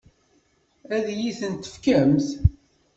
Ad iyi-tent-tefkemt?